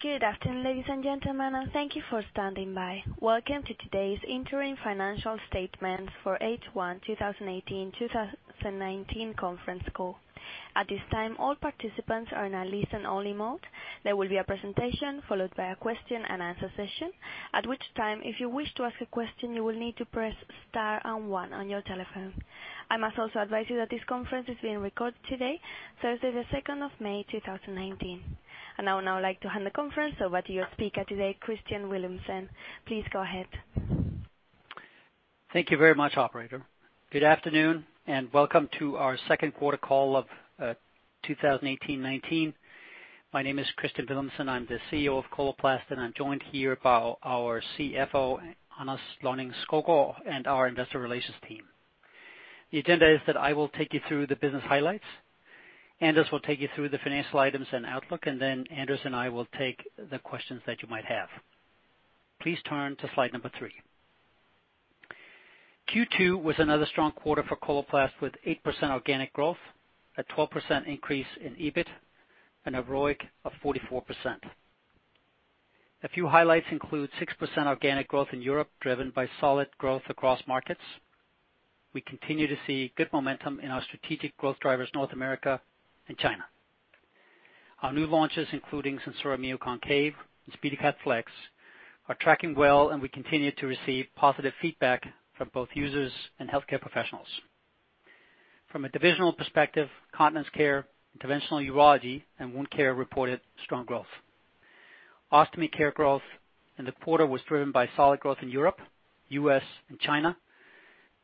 Good afternoon, ladies and gentlemen, and thank you for standing by. Welcome to today's interim financial statements for H1 2018/2019 conference call. At this time, all participants are in a listen-only mode. There will be a presentation followed by a question-and-answer session, at which time, if you wish to ask a question, you will need to press Star one on your telephone. I must also advise you that this conference is being recorded today, Thursday, the 2nd of May, 2019. I'd now like to hand the conference over to your speaker today, Kristian Villumsen. Please go ahead. Thank you very much, operator. Good afternoon, welcome to our second quarter call of 2018/2019. My name is Kristian Villumsen. I'm the CEO of Coloplast, I'm joined here by our CFO, Anders Lønning-Skovgaard, and our investor relations team. The agenda is that I will take you through the business highlights, Anders will take you through the financial items and outlook, Anders and I will take the questions that you might have. Please turn to slide Number 3. Q2 was another strong quarter for Coloplast, with 8% organic growth, a 12% increase in EBIT, a ROIC of 44%. A few highlights include 6% organic growth in Europe, driven by solid growth across markets. We continue to see good momentum in our strategic growth drivers, North America and China. Our new launches, including SenSura Mio Concave and SpeediCath Flex, are tracking well, and we continue to receive positive feedback from both users and healthcare professionals. From a divisional perspective, continence care, interventional urology, and wound care reported strong growth. Ostomy care growth in the quarter was driven by solid growth in Europe, U.S., and China,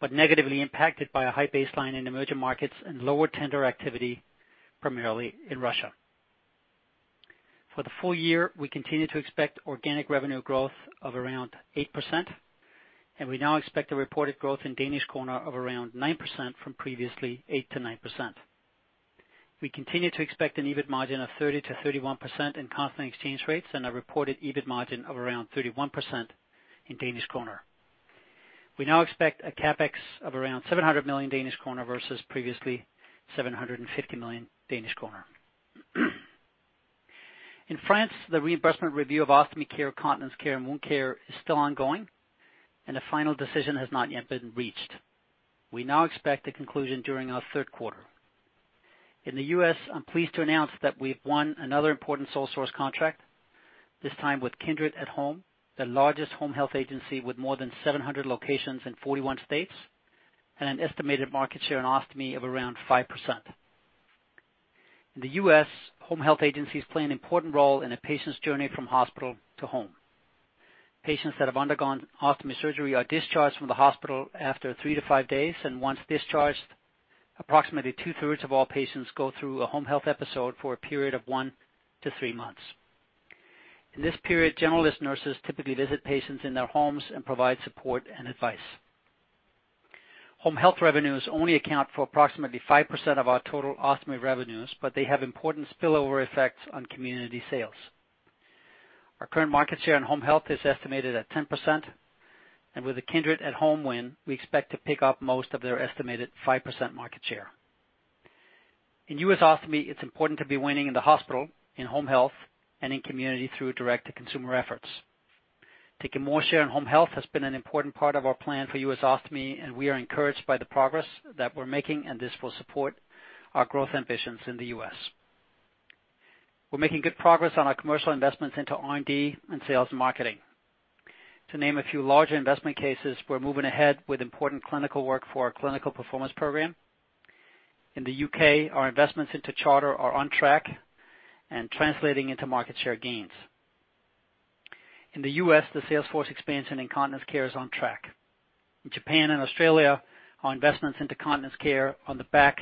but negatively impacted by a high baseline in emerging markets and lower tender activity, primarily in Russia. For the full year, we continue to expect organic revenue growth of around 8%, and we now expect a reported growth in Danish kroner of around 9% from previously 8%-9%. We continue to expect an EBIT margin of 30%-31% in constant exchange rates and a reported EBIT margin of around 31% in Danish kroner. We now expect a CapEx of around 700 million Danish kroner versus previously 750 million Danish kroner. In France, the reimbursement review of ostomy care, continence care, and wound care is still ongoing, and a final decision has not yet been reached. We now expect a conclusion during our third quarter. In the U.S., I'm pleased to announce that we've won another important sole source contract, this time with Kindred at Home, the largest home health agency, with more than 700 locations in 41 states and an estimated market share in ostomy of around 5%. In the U.S., home health agencies play an important role in a patient's journey from hospital to home. Patients that have undergone ostomy surgery are discharged from the hospital after 3-5 days. Once discharged, approximately 2/3 of all patients go through a home health episode for a period of 1-3 months. In this period, generalist nurses typically visit patients in their homes and provide support and advice. Home health revenues only account for approximately 5% of our total ostomy revenues. They have important spillover effects on community sales. Our current market share in home health is estimated at 10%. With the Kindred at Home win, we expect to pick up most of their estimated 5% market share. In U.S. ostomy, it's important to be winning in the hospital, in home health, and in community through direct-to-consumer efforts. Taking more share in home health has been an important part of our plan for U.S. ostomy. We are encouraged by the progress that we're making. This will support our growth ambitions in the U.S. We're making good progress on our Commercial investments into R&D and Sales and Marketing. To name a few larger investment cases, we're moving ahead with important clinical work for our clinical performance program. In the U.K., our investments into Charter are on track and translating into market share gains. In the U.S., the sales force expansion in continence care is on track. In Japan and Australia, our investments into continence care on the back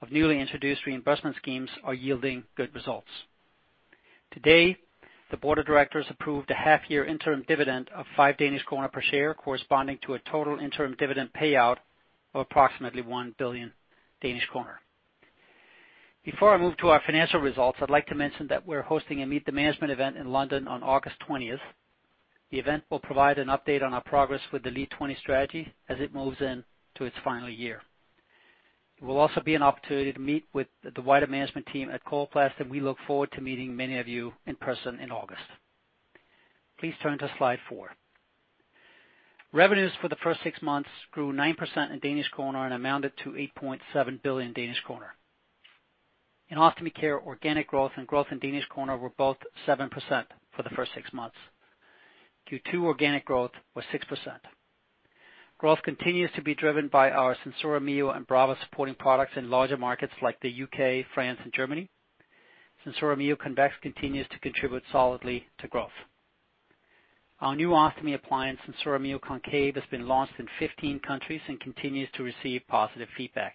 of newly introduced reimbursement schemes are yielding good results. Today, the board of directors approved a half-year interim dividend of 5 Danish kroner per share, corresponding to a total interim dividend payout of approximately 1 billion Danish kroner. Before I move to our financial results, I'd like to mention that we're hosting a Meet the Management event in London on August 20th. The event will provide an update on our progress with the LEAD 20 strategy as it moves into its final year. It will also be an opportunity to meet with the wider management team at Coloplast. We look forward to meeting many of you in person in August. Please turn to Slide 4. Revenues for the first six months grew 9% in Danish kroner and amounted to 8.7 billion Danish kroner. In ostomy care, organic growth and growth in Danish kroner were both 7% for the first six months. Q2 organic growth was 6%. Growth continues to be driven by our SenSura Mio and Brava supporting products in larger markets like the U.K., France, and Germany. SenSura Mio Convex continues to contribute solidly to growth. Our new ostomy appliance, SenSura Mio Concave, has been launched in 15 countries and continues to receive positive feedback.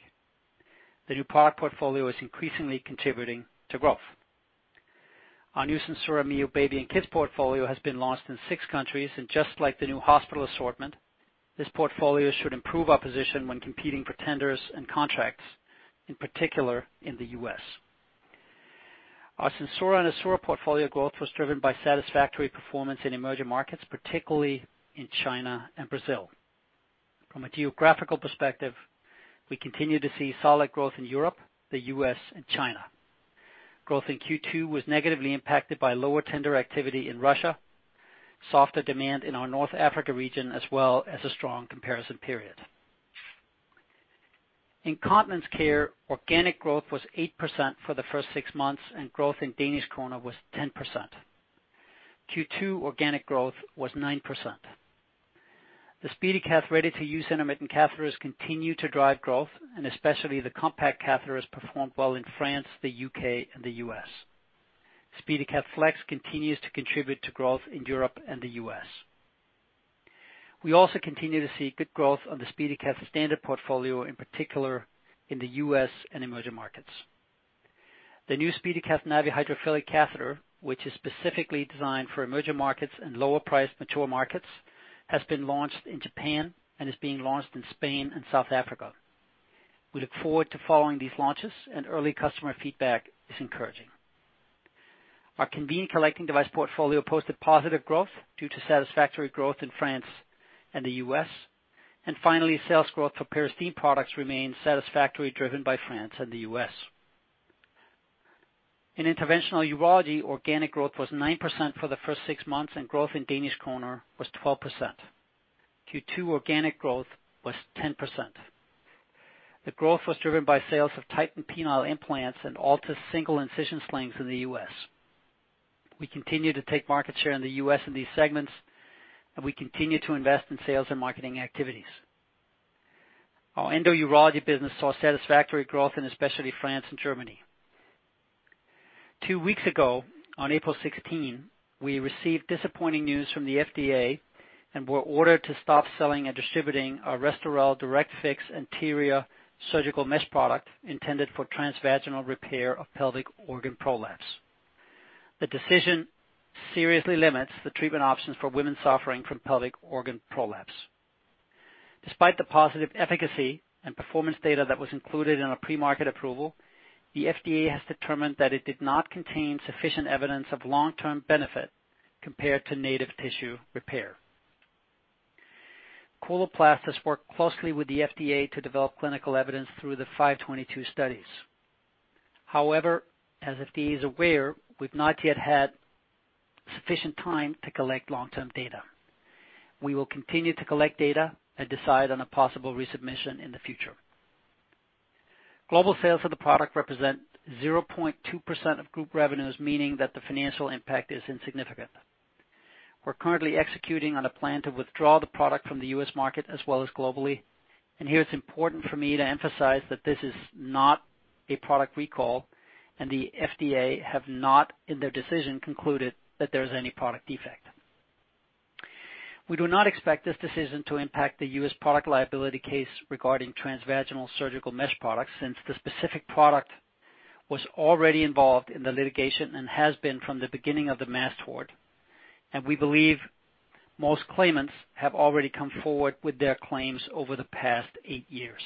The new product portfolio is increasingly contributing to growth. Our new SenSura Mio Baby and Kids portfolio has been launched in 6 countries, and just like the new hospital assortment, this portfolio should improve our position when competing for tenders and contracts, in particular in the US. Our SenSura and Assura portfolio growth was driven by satisfactory performance in emerging markets, particularly in China and Brazil. From a geographical perspective, we continue to see solid growth in Europe, the US, and China. Growth in Q2 was negatively impacted by lower tender activity in Russia, softer demand in our North Africa region, as well as a strong comparison period. In continence care, organic growth was 8% for the first 6 months, and growth in Danish kroner was 10%. Q2 organic growth was 9%. The SpeediCath ready-to-use intermittent catheters continue to drive growth, and especially the compact catheters performed well in France, the U.K., and the U.S. SpeediCath Flex continues to contribute to growth in Europe and the U.S. We also continue to see good growth on the SpeediCath standard portfolio, in particular in the U.S. and emerging markets. The new SpeediCath Navi hydrophilic catheter, which is specifically designed for emerging markets and lower-priced mature markets, has been launched in Japan and is being launched in Spain and South Africa. We look forward to following these launches, and early customer feedback is encouraging. Our convenient collecting device portfolio posted positive growth due to satisfactory growth in France and the U.S. Finally, sales growth for Peristeen products remains satisfactory, driven by France and the U.S. In interventional urology, organic growth was 9% for the first six months, and growth in Danish kroner was 12%. Q2 organic growth was 10%. The growth was driven by sales of Titan penile implants and Altis single incision slings in the U.S. We continue to take market share in the U.S. in these segments, and we continue to invest in Sales and Marketing activities. Our endourology business saw satisfactory growth in especially France and Germany. Two weeks ago, on April 16, we received disappointing news from the FDA and were ordered to stop selling and distributing our Restorelle DirectFix anterior surgical mesh product intended for transvaginal repair of pelvic organ prolapse. The decision seriously limits the treatment options for women suffering from pelvic organ prolapse. Despite the positive efficacy and performance data that was included in our pre-market approval, the FDA has determined that it did not contain sufficient evidence of long-term benefit compared to native tissue repair. Coloplast has worked closely with the FDA to develop clinical evidence through the 522 studies. However, as FDA is aware, we've not yet had sufficient time to collect long-term data. We will continue to collect data and decide on a possible resubmission in the future. Global sales of the product represent 0.2% of group revenues, meaning that the financial impact is insignificant. We're currently executing on a plan to withdraw the product from the U.S. market as well as globally. Here it's important for me to emphasize that this is not a product recall, and the FDA have not, in their decision, concluded that there's any product defect. We do not expect this decision to impact the U.S. product liability case regarding transvaginal surgical mesh products, since the specific product was already involved in the litigation and has been from the beginning of the mass tort, and we believe most claimants have already come forward with their claims over the past eight years.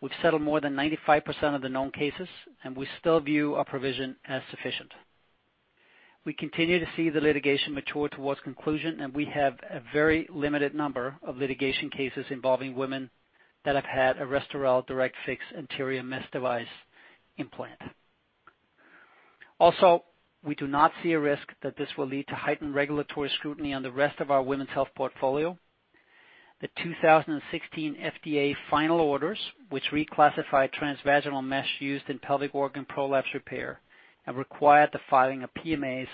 We've settled more than 95% of the known cases, and we still view our provision as sufficient. We continue to see the litigation mature towards conclusion, and we have a very limited number of litigation cases involving women that have had a Restorelle DirectFix anterior mesh device implant. Also, we do not see a risk that this will lead to heightened regulatory scrutiny on the rest of our women's health portfolio. The 2016 FDA final orders, which reclassify transvaginal mesh used in pelvic organ prolapse repair and required the filing of PMAs,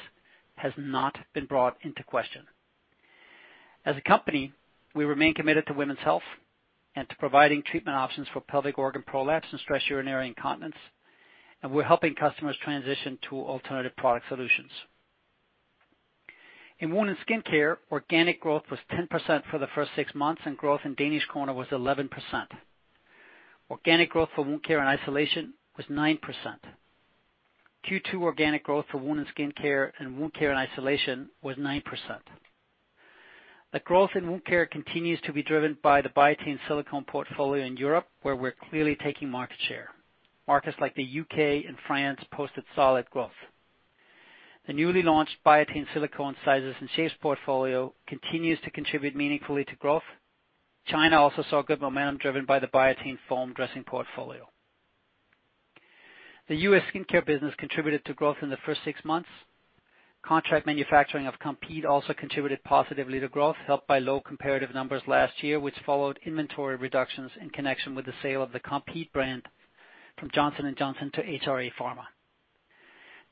has not been brought into question. As a company, we remain committed to women's health and to providing treatment options for pelvic organ prolapse and stress urinary incontinence, we're helping customers transition to alternative product solutions. In Wound and Skin care, organic growth was 10% for the first six months, growth in Danish kroner was 11%. Organic growth for wound care in isolation was 9%. Q2 organic growth for wound and skin care and wound care in isolation was 9%. The growth in wound care continues to be driven by the Biatain silicone portfolio in Europe, where we're clearly taking market share. Markets like the U.K. and France posted solid growth. The newly launched Biatain silicone sizes and shapes portfolio continues to contribute meaningfully to growth. China also saw good momentum driven by the Biatain foam dressing portfolio. The U.S. skincare business contributed to growth in the first six months. Contract manufacturing of Compeed also contributed positively to growth, helped by low comparative numbers last year, which followed inventory reductions in connection with the sale of the Compeed brand from Johnson & Johnson to HRA Pharma.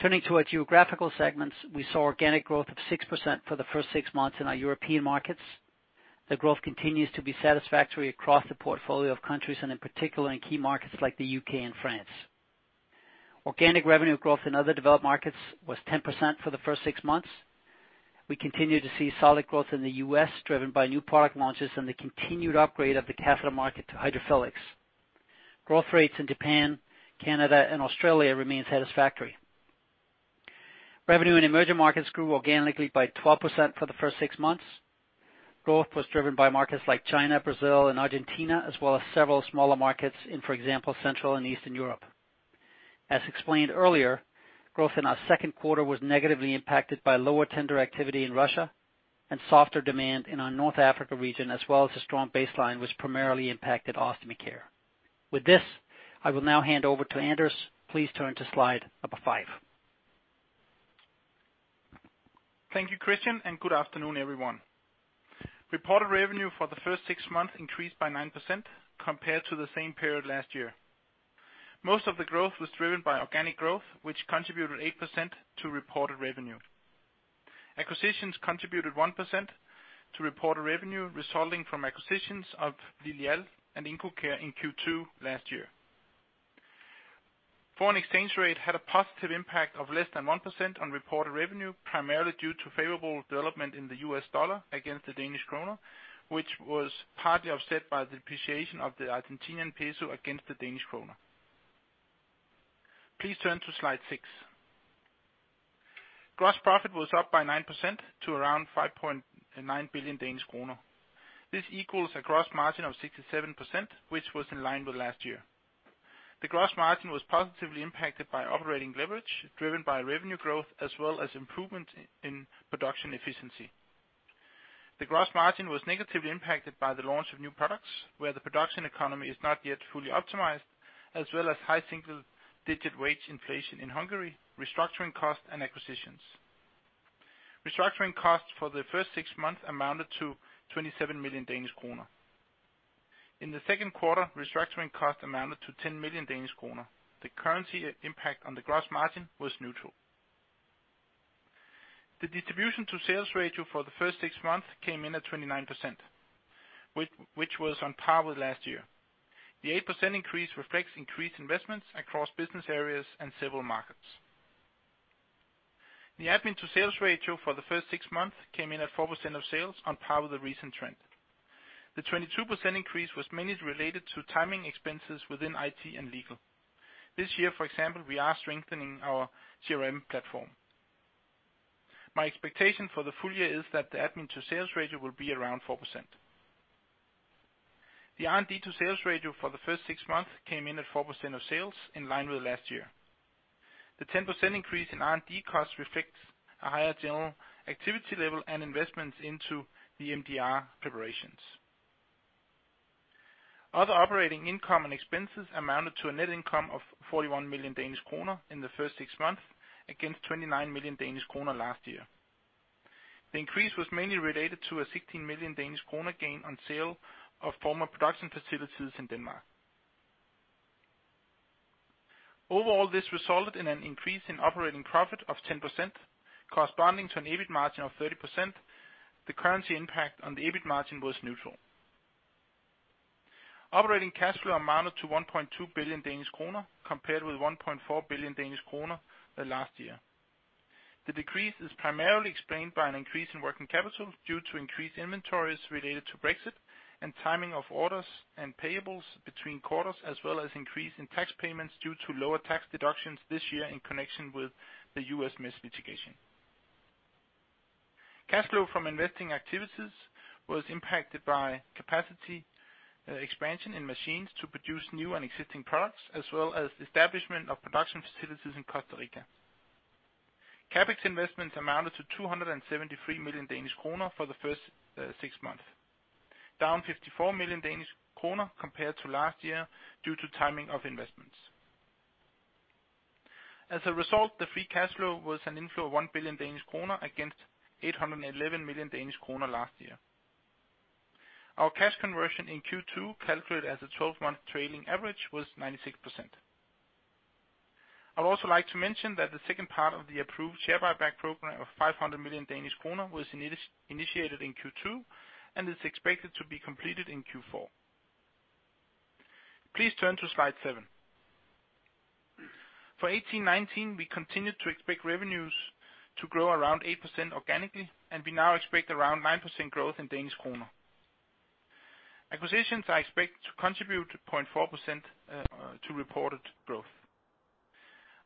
Turning to our geographical segments, we saw organic growth of 6% for the first six months in our European markets. The growth continues to be satisfactory across the portfolio of countries and in particular in key markets like the U.K. and France. Organic revenue growth in other developed markets was 10% for the first six months. We continue to see solid growth in the U.S., driven by new product launches and the continued upgrade of the catheter market to hydrophilics. Growth rates in Japan, Canada, and Australia remains satisfactory. Revenue in emerging markets grew organically by 12% for the first 6 months. Growth was driven by markets like China, Brazil, and Argentina, as well as several smaller markets in, for example, Central and Eastern Europe. As explained earlier, growth in our second quarter was negatively impacted by lower tender activity in Russia and softer demand in our North Africa region, as well as a strong baseline, which primarily impacted ostomy care. With this, I will now hand over to Anders. Please turn to slide Number 5. Thank you, Kristian, and good afternoon, everyone. Reported revenue for the first 6 months increased by 9% compared to the same period last year. Most of the growth was driven by organic growth, which contributed 8% to reported revenue. Acquisitions contributed 1% to reported revenue, resulting from acquisitions of Lilial and IncoCare in Q2 last year. Foreign exchange rate had a positive impact of less than 1% on reported revenue, primarily due to favorable development in the US dollar against the Danish kroner, which was partly offset by the depreciation of the Argentinian peso against the Danish kroner. Please turn to Slide 6. Gross profit was up by 9% to around 5.9 billion Danish kroner. This equals a gross margin of 67%, which was in line with last year. The gross margin was positively impacted by operating leverage, driven by revenue growth, as well as improvement in production efficiency. The gross margin was negatively impacted by the launch of new products, where the production economy is not yet fully optimized, as well as high single-digit wage inflation in Hungary, restructuring costs and acquisitions. Restructuring costs for the first six months amounted to 27 million Danish kroner. In the second quarter, restructuring cost amounted to 10 million Danish kroner. The currency impact on the gross margin was neutral. The distribution to sales ratio for the first six months came in at 29%, which was on par with last year. The 8% increase reflects increased investments across business areas and several markets. The admin to sales ratio for the first six months came in at 4% of sales on par with the recent trend. The 22% increase was mainly related to timing expenses within IT and legal. This year, for example, we are strengthening our CRM platform. My expectation for the full-year is that the admin to sales ratio will be around 4%. The R&D to sales ratio for the first six months came in at 4% of sales, in line with last year. The 10% increase in R&D costs reflects a higher general activity level and investments into the MDR preparations. Other operating income and expenses amounted to a net income of 41 million Danish kroner in the first six months, against 29 million Danish kroner last year. The increase was mainly related to a 16 million Danish kroner gain on sale of former production facilities in Denmark. Overall, this resulted in an increase in operating profit of 10%, corresponding to an EBIT margin of 30%. The currency impact on the EBIT margin was neutral. Operating cash flow amounted to 1.2 billion Danish kroner, compared with 1.4 billion Danish kroner the last year. The decrease is primarily explained by an increase in working capital due to increased inventories related to Brexit and timing of orders and payables between quarters, as well as increase in tax payments due to lower tax deductions this year in connection with the U.S. mass tort litigation. Cash flow from investing activities was impacted by capacity expansion in machines to produce new and existing products, as well as establishment of production facilities in Costa Rica. CapEx investments amounted to 273 million Danish kroner for the first six months, down 54 million Danish kroner compared to last year, due to timing of investments. As a result, the free cash flow was an inflow of 1 billion Danish kroner against 811 million Danish kroner last year. Our cash conversion in Q2, calculated as a 12-month trailing average, was 96%. I'd also like to mention that the second part of the approved share buyback program of 500 million Danish kroner was initiated in Q2, and is expected to be completed in Q4. Please turn to Slide 7. For 2018-2019, we continued to expect revenues to grow around 8% organically, and we now expect around 9% growth in Danish kroner. Acquisitions are expected to contribute 0.4% to reported growth.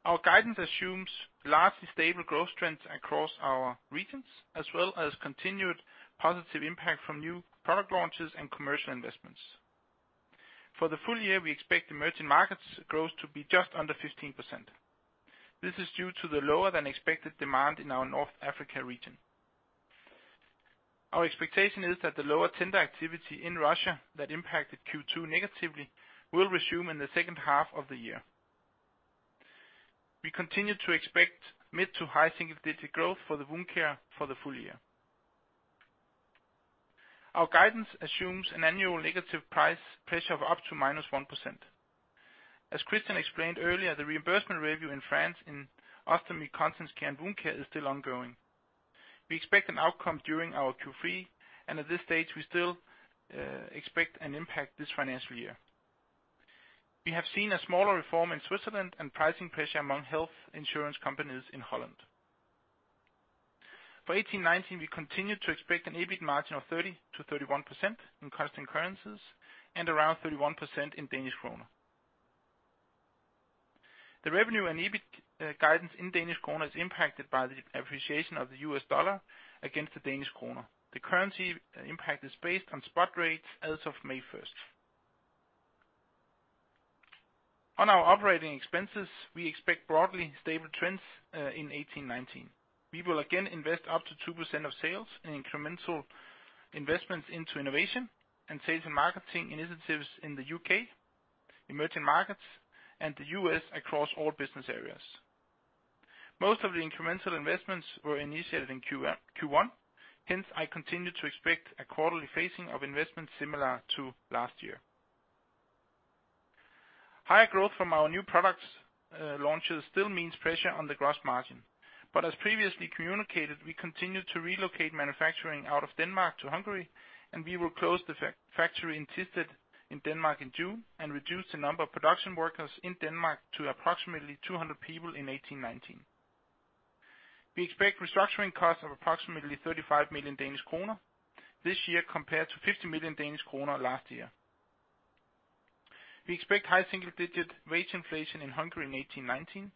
Our guidance assumes largely stable growth trends across our regions, as well as continued positive impact from new product launches and commercial investments. For the full-year, we expect emerging markets growth to be just under 15%. This is due to the lower than expected demand in our North Africa region. Our expectation is that the lower tender activity in Russia that impacted Q2 negatively, will resume in the second half of the year. We continue to expect mid to high single-digit growth for the Wound Care for the full year. Our guidance assumes an annual negative price pressure of up to -1%. As Kristian explained earlier, the reimbursement review in France in Ostomy, Continence Care, and Wound Care is still ongoing. We expect an outcome during our Q3. At this stage, we still expect an impact this financial year. We have seen a smaller reform in Switzerland and pricing pressure among health insurance companies in Holland. For 2018-2019, we continue to expect an EBIT margin of 30%-31% in constant currencies and around 31% in Danish kroner. The revenue and EBIT guidance in Danish kroner is impacted by the appreciation of the U.S. dollar against the Danish kroner. The currency impact is based on spot rates as of May 1st. On our operating expenses, we expect broadly stable trends in 2018-2019. We will again invest up to 2% of sales in incremental investments into innovation and sales and marketing initiatives in the U.K., emerging markets, and the U.S. across all business areas. Most of the incremental investments were initiated in Q1, hence, I continue to expect a quarterly phasing of investments similar to last year. Higher growth from our new products, launches still means pressure on the gross margin. As previously communicated, we continue to relocate manufacturing out of Denmark to Hungary, and we will close the factory in Thisted in Denmark in June and reduce the number of production workers in Denmark to approximately 200 people in 2018-2019. We expect restructuring costs of approximately 35 million Danish kroner this year, compared to 50 million Danish kroner last year. We expect high single-digit wage inflation in Hungary in 2018-2019.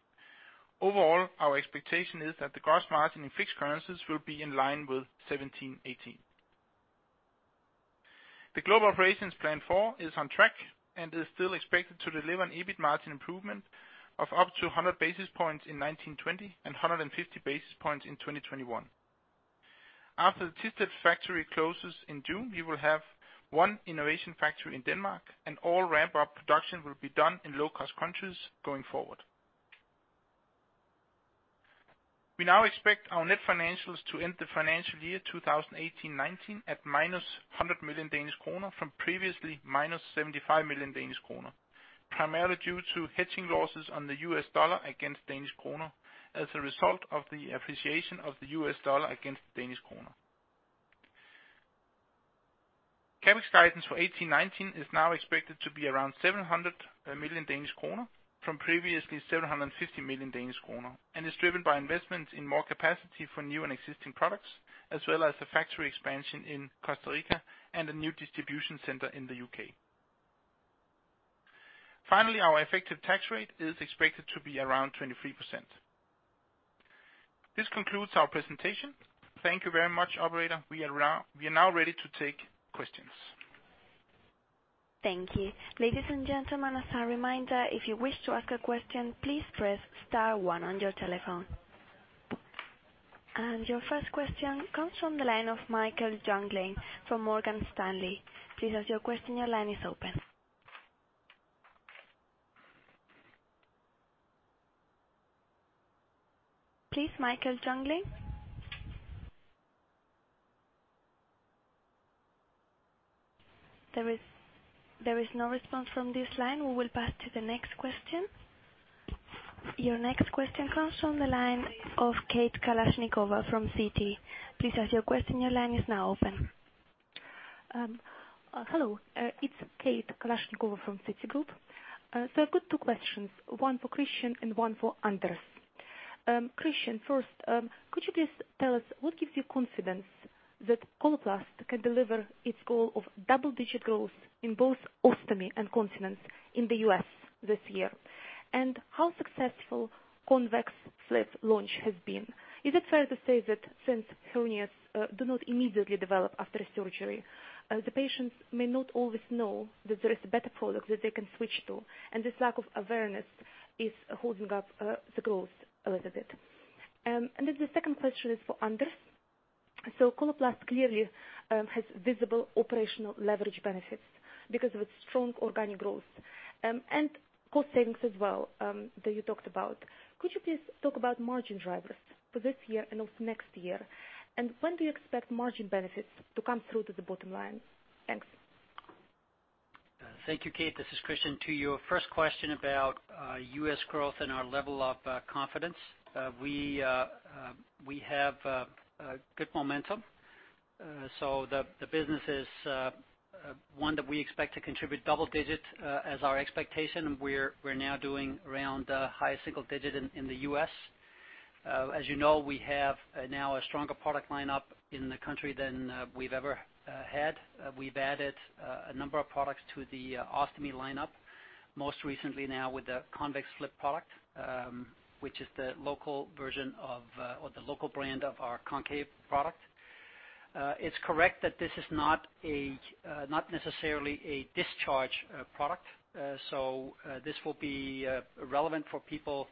Overall, our expectation is that the gross margin in fixed currencies will be in line with 2017-2018. The Global Operations Plan 4 is on track and is still expected to deliver an EBIT margin improvement of up to 100 basis points in 2019-2020, and 150 basis points in 2020-2021. After the Thisted factory closes in June, we will have one innovation factory in Denmark, and all ramp-up production will be done in low-cost countries going forward. We now expect our net financials to end the financial year, 2018-2019, at -100 million Danish kroner from previously -75 million Danish kroner, primarily due to hedging losses on the U.S. dollar against Danish kroner as a result of the appreciation of the US dollar against the Danish kroner. CapEx guidance for 2018-2019 is now expected to be around 700 million Danish kroner from previously 750 million Danish kroner, and is driven by investments in more capacity for new and existing products, as well as the factory expansion in Costa Rica and a new distribution center in the U.K. Finally, our effective tax rate is expected to be around 23%. This concludes our presentation. Thank you very much, operator. We are now ready to take questions. Thank you. Ladies and gentlemen, as a reminder, if you wish to ask a question, please press Star one on your telephone. Your first question comes from the line of Michael Jungling from Morgan Stanley. Please ask your question. Your line is open. Please, Michael Jungling? There is no response from this line. We will pass to the next question. Your next question comes from the line of Veronika Dubajova from Citi. Please ask your question. Your line is now open. Hello, it's Veronika Dubajova from Citigroup. I've got two questions, one for Kristian and one for Anders. Kristian, first, could you please tell us what gives you confidence that Coloplast can deliver its goal of double-digit growth in both ostomy and continence in the U.S. this year? How successful Convex Flip launch has been. Is it fair to say that since hernias do not immediately develop after a surgery, the patients may not always know that there is a better product that they can switch to, this lack of awareness is holding up the growth a little bit. The second question is for Anders. Coloplast clearly has visible operational leverage benefits because of its strong organic growth and cost savings as well that you talked about. Could you please talk about margin drivers for this year and also next year? When do you expect margin benefits to come through to the bottom line? Thanks. Thank you, Kate. This is Kristian. To your first question about U.S. growth and our level of confidence, we have a good momentum. The business is one that we expect to contribute double digit as our expectation. We're now doing around high single-digit in the U.S. As you know, we have now a stronger product line up in the country than we've ever had. We've added a number of products to the ostomy lineup, most recently now with the Convex Flip product, which is the local version of or the local brand of our Concave product. It's correct that this is not a not necessarily a discharge product. This will be relevant for people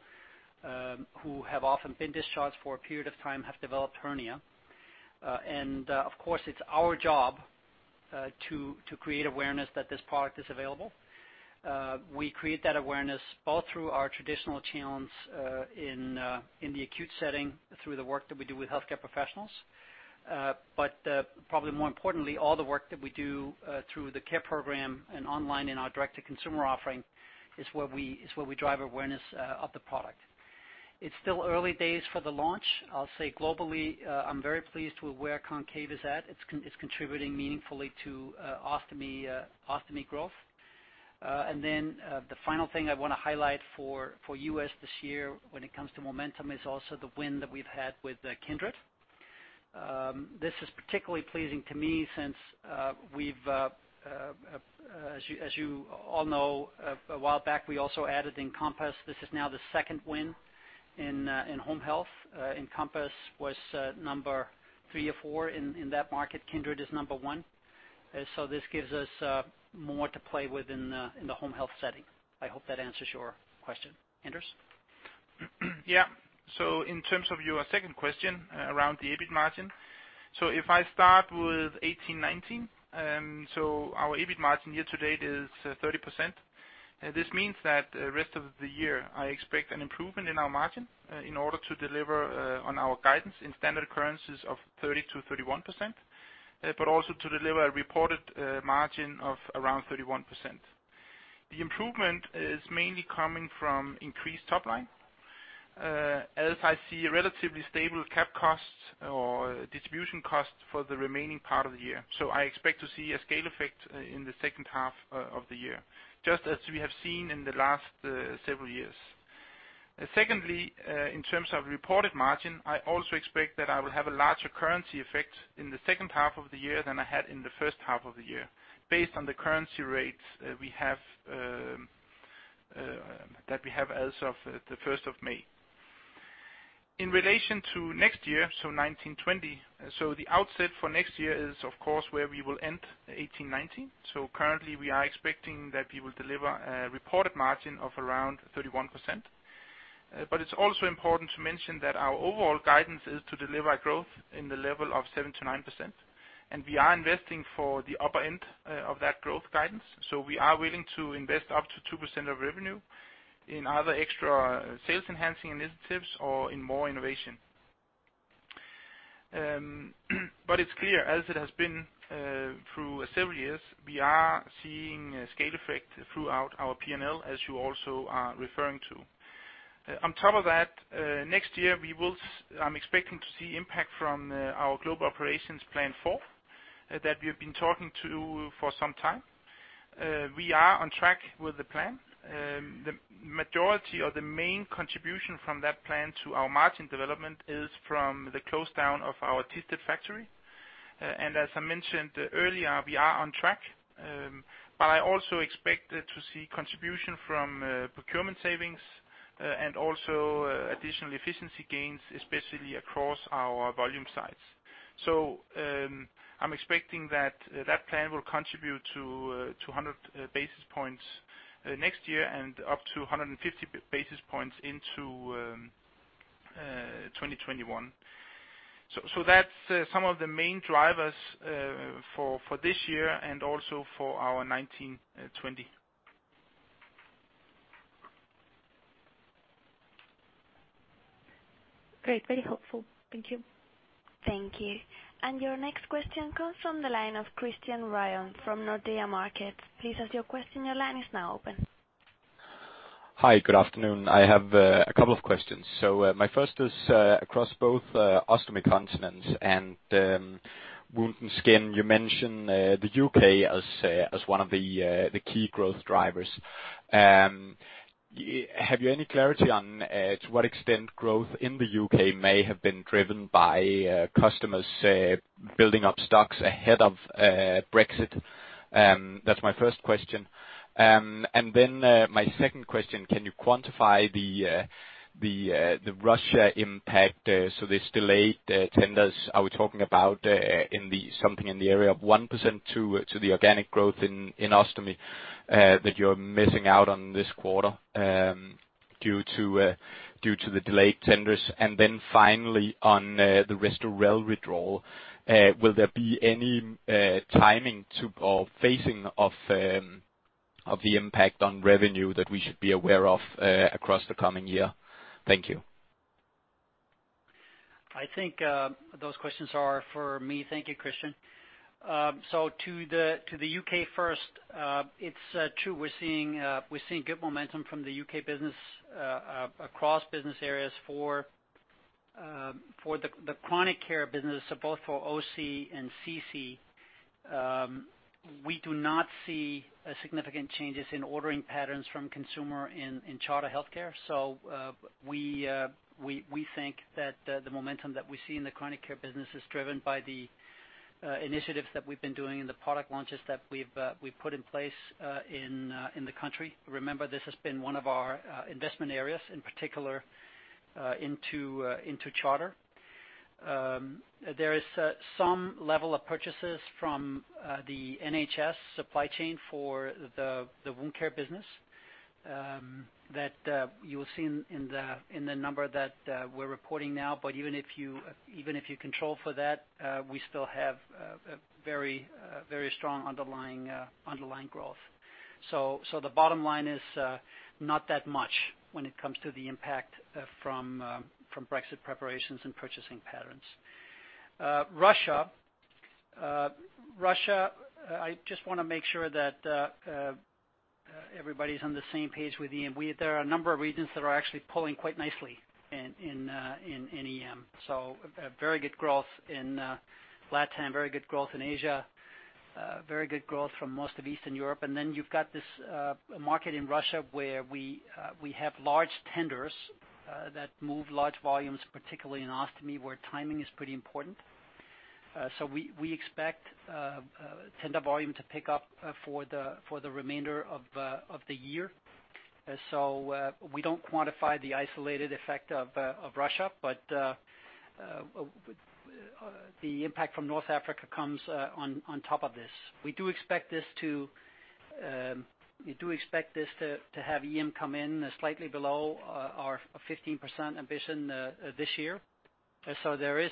who have often been discharged for a period of time, have developed hernia. Of course, it's our job to create awareness that this product is available. We create that awareness both through our traditional channels in the acute setting, through the work that we do with healthcare professionals. Probably more importantly, all the work that we do through the care program and online in our direct-to-consumer offering is where we drive awareness of the product. It's still early days for the launch. I'll say globally, I'm very pleased with where Concave is at. It's contributing meaningfully to ostomy growth. The final thing I want to highlight for U.S. this year when it comes to momentum, is also the win that we've had with Kindred. This is particularly pleasing to me since we've, as you all know, a while back, we also added Encompass. This is now the second win in home health. Encompass was number three or four in that market. Kindred is number one. This gives us more to play with in the home health setting. I hope that answers your question. Anders? In terms of your second question around the EBIT margin, if I start with 2018-2019, so our EBIT margin year to date is 30%. This means that the rest of the year, I expect an improvement in our margin in order to deliver on our guidance in standard currencies of 30%-31%, but also to deliver a reported margin of around 31%. The improvement is mainly coming from increased top line. As I see a relatively stable cap costs or distribution costs for the remaining part of the year. I expect to see a scale effect in the second half of the year, just as we have seen in the last several years. Secondly, in terms of reported margin, I also expect that I will have a larger currency effect in the second half of the year than I had in the first half of the year, based on the currency rates, we have, that we have as of the 1st of May. In relation to next year, so 2019-2020, so the outset for next year is, of course, where we will end 2018-2019. Currently, we are expecting that we will deliver a reported margin of around 31%. It's also important to mention that our overall guidance is to deliver growth in the level of 7%-9%, and we are investing for the upper end, of that growth guidance. We are willing to invest up to 2% of revenue in either extra sales enhancing initiatives or in more innovation. It's clear, as it has been, through several years, we are seeing a scale effect throughout our P&L, as you also are referring to. On top of that, next year, I'm expecting to see impact from our Global Operations Plan 4, that we have been talking to for some time. We are on track with the plan. The majority or the main contribution from that plan to our margin development is from the close down of our Thisted factory. As I mentioned earlier, we are on track, I also expect to see contribution from procurement savings, and also additional efficiency gains, especially across our volume sites. I'm expecting that that plan will contribute to 200 basis points next year, and up to 150 basis points into 2021. That's some of the main drivers for this year and also for our 2019/2020. Great, very helpful. Thank you. Thank you. Your next question comes from the line of Christian Ryom from Nordea Markets. Please ask your question. Your line is now open. Hi, good afternoon. I have a couple of questions. My first is across both ostomy continents and wound and skin. You mentioned the U.K. as one of the key growth drivers. Have you any clarity on to what extent growth in the U.K. may have been driven by customers, say, building up stocks ahead of Brexit? That's my first question. My second question, can you quantify the Russia impact, so this delayed tenders, are we talking about in the something in the area of 1% to the organic growth in ostomy that you're missing out on this quarter due to the delayed tenders? Finally, on the Restorelle withdrawal, will there be any timing to or phasing of the impact on revenue that we should be aware of across the coming year? Thank you. I think those questions are for me. Thank you, Christian. To the U.K. first, it's true, we're seeing good momentum from the U.K. business across business areas for the Chronic Care business, so both for OC and CC. We do not see a significant changes in ordering patterns from consumer in Charter Healthcare, we think that the momentum that we see in the chronic care business is driven by the initiatives that we've been doing and the product launches that we've put in place in the country. Remember, this has been one of our investment areas, in particular, into Charter. There is some level of purchases from the NHS supply chain for the wound care business that you will see in the number that we're reporting now, but even if you control for that, we still have a very strong underlying growth. The bottom line is not that much when it comes to the impact from Brexit preparations and purchasing patterns. Russia. Russia, I just want to make sure that everybody's on the same page with EM. There are a number of regions that are actually pulling quite nicely in EM. Very good growth in Latam, very good growth in Asia, very good growth from most of Eastern Europe. You've got this market in Russia, where we have large tenders that move large volumes, particularly in ostomy, where timing is pretty important. We expect tender volume to pick up for the remainder of the year. We don't quantify the isolated effect of Russia, but the impact from North Africa comes on top of this. We do expect this to have EM come in slightly below our 15% ambition this year. There is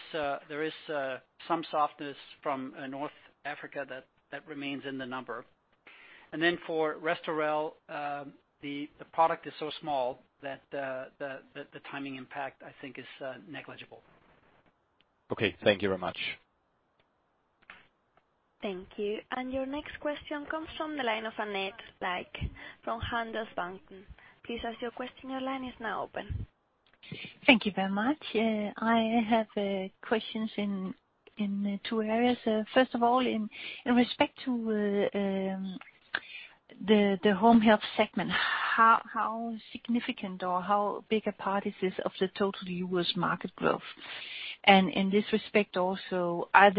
some softness from North Africa that remains in the number. For Restorelle, the product is so small that the timing impact, I think, is negligible. Okay. Thank you very much. Thank you. Your next question comes from the line of Annette Lykke from Handelsbanken. Please ask your question. Your line is now open. Thank you very much. I have questions in two areas. First of all, in respect to the home health segment, how significant or how big a part is this of the total U.S. market growth? In this respect, also, I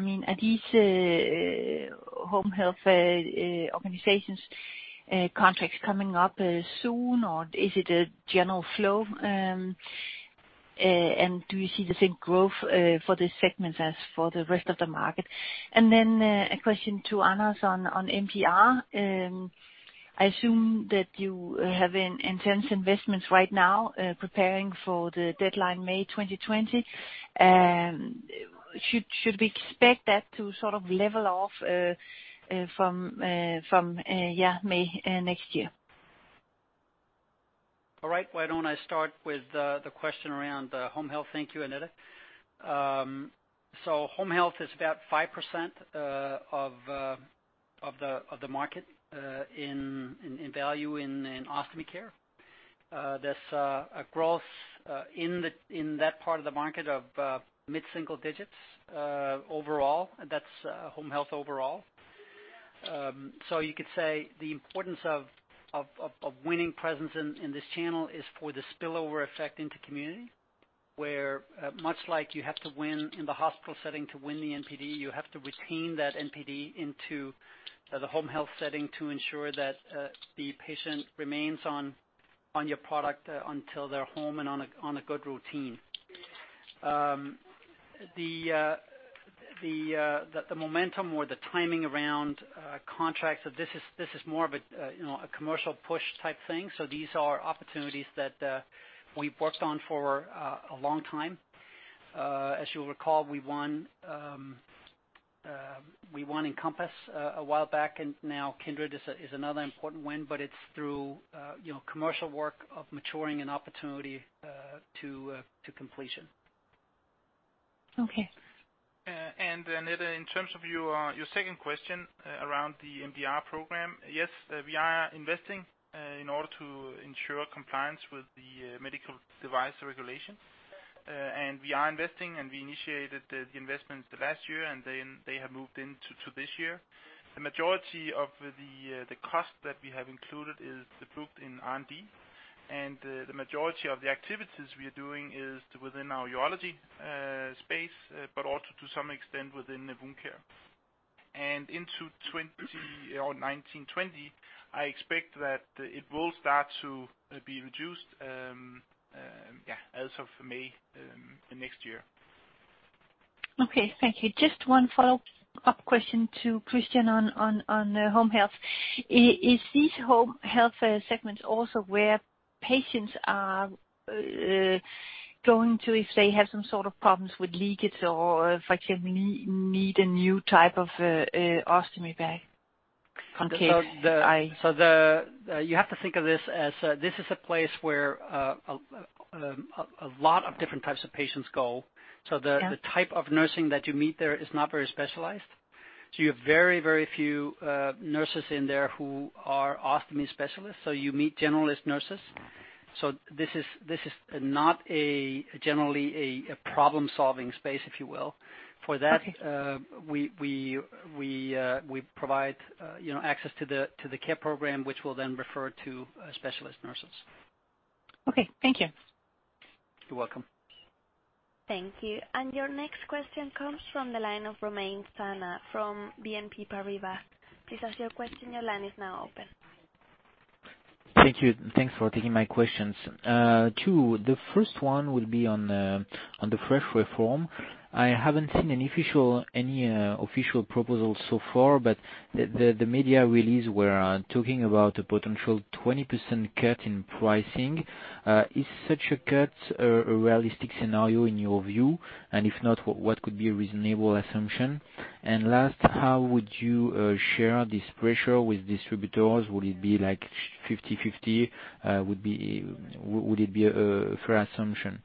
mean, are these home health organizations contracts coming up soon, or is it a general flow, and do you see the same growth for this segment as for the rest of the market? A question to Anders on MDR. I assume that you have intense investments right now, preparing for the deadline May 2020. Should we expect that to sort of level off from May next year? All right. Why don't I start with the question around home health. Thank you, Annette. Home health is about 5% of the market in value in ostomy care. There's a growth in that part of the market of mid-single digits overall, that's home health overall. You could say the importance of winning presence in this channel is for the spillover effect into community, where much like you have to win in the hospital setting to win the NPD, you have to retain that NPD into the home health setting to ensure that the patient remains on your product until they're home and on a good routine. The momentum or the timing around contracts, so this is more of a, you know, a commercial push type thing. These are opportunities that we've worked on for a long time. As you'll recall, we won Encompass a while back, and now Kindred is another important win, but it's through, you know, commercial work of maturing an opportunity to completion. Okay. Annette, in terms of your second question, around the MDR program, yes, we are investing, in order to ensure compliance with the Medical Device Regulation. We are investing, and we initiated the investment last year, and then they have moved into to this year. The majority of the cost that we have included is the proof in R&D, and the majority of the activities we are doing is within our urology, space, but also to some extent within the wound care. Into 2020 or 1920, I expect that it will start to be reduced, as of May, next year. Okay, thank you. Just one follow-up question to Kristian on home health. Is these home health segments also where patients are going to, if they have some sort of problems with leakage or if I need a new type of ostomy bag? the, you have to think of this as, this is a place where a lot of different types of patients go. Yeah. The type of nursing that you meet there is not very specialized. You have very few nurses in there who are ostomy specialists, so you meet generalist nurses. This is not generally a problem-solving space, if you will. Okay. For that, we provide, you know, access to the care program, which will then refer to specialist nurses. Okay, thank you. You're welcome. Thank you. Your next question comes from the line of Romain Zana from BNP Paribas. Please ask your question. Your line is now open. Thank you. Thanks for taking my questions. 2, the first one will be on the fresh reform. I haven't seen any official proposal so far, but the media release were talking about a potential 20% cut in pricing. Is such a cut a realistic scenario in your view? If not, what could be a reasonable assumption? Last, how would you share this pressure with distributors? Would it be like 50/50, would it be a fair assumption?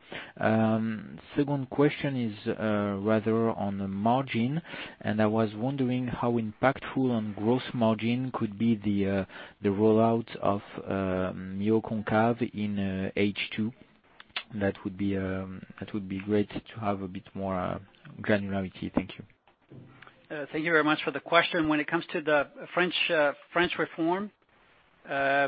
Second question is rather on the margin, and I was wondering how impactful on gross margin could be the rollout of neo Concave in H2. That would be great to have a bit more granularity. Thank you. Thank you very much for the question. When it comes to the French reform, I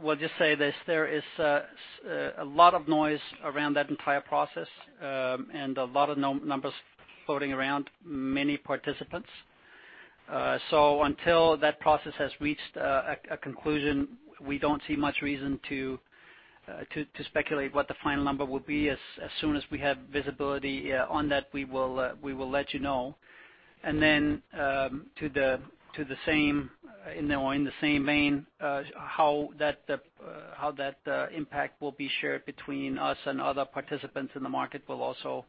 will just say this, there is a lot of noise around that entire process, and a lot of numbers floating around, many participants. Until that process has reached a conclusion, we don't see much reason to speculate what the final number will be. As soon as we have visibility on that, we will let you know. To the same, in the same vein, how that impact will be shared between us and other participants in the market will also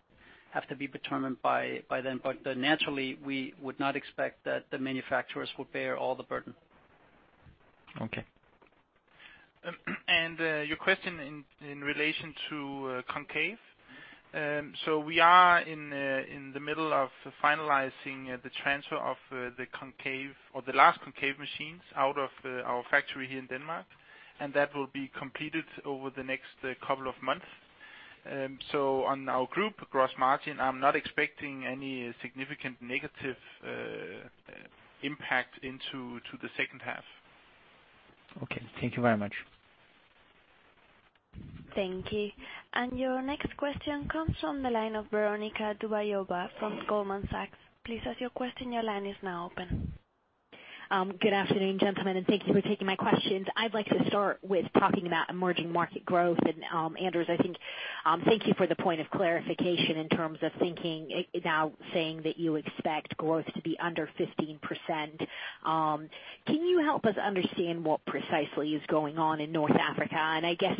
have to be determined by then. Naturally, we would not expect that the manufacturers would bear all the burden. Okay. Your question in relation to Concave. We are in the middle of finalizing the transfer of the Concave or the last Concave machines out of our factory here in Denmark, and that will be completed over the next couple of months. On our group gross margin, I'm not expecting any significant negative impact into the second half. Okay. Thank you very much. Thank you. Your next question comes from the line of Veronika Dubajova from Goldman Sachs. Please ask your question. Your line is now open. Good afternoon, gentlemen, and thank you for taking my questions. I'd like to start with talking about emerging market growth. Anders, I think, thank you for the point of clarification in terms of thinking, now saying that you expect growth to be under 15%. Can you help us understand what precisely is going on in North Africa? I guess,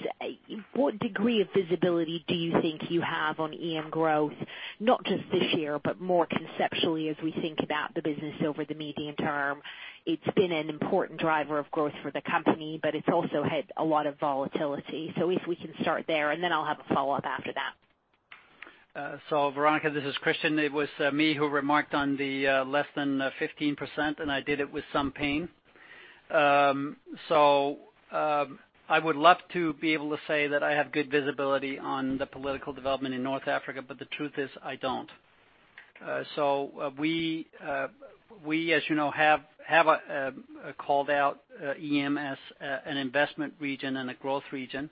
what degree of visibility do you think you have on EM growth, not just this year, but more conceptually as we think about the business over the medium term? It's been an important driver of growth for the company, but it's also had a lot of volatility. If we can start there, and then I'll have a follow-up after that. Veronika, this is Kristian. It was me who remarked on the less than 15%, and I did it with some pain. I would love to be able to say that I have good visibility on the political development in North Africa, but the truth is, I don't. We, as you know, have called out EM as an investment region and a growth region,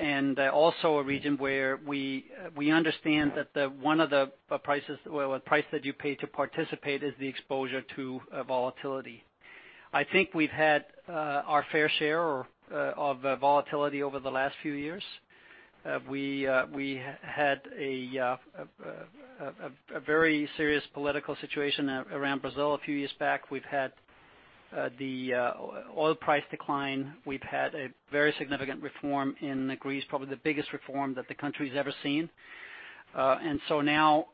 and also a region where we understand that the, one of the prices, well, a price that you pay to participate is the exposure to volatility. I think we've had our fair share or of volatility over the last few years. We had a very serious political situation around Brazil a few years back. We've had the oil price decline. We've had a very significant reform in Greece, probably the biggest reform that the country's ever seen. Now,